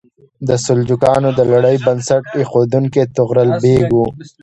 د سلجوقیانو د لړۍ بنسټ ایښودونکی طغرل بیګ و.